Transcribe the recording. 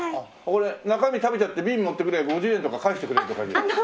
これ中身食べちゃって瓶持ってくれば５０円とか返してくれるとかいうの。